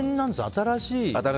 新しい。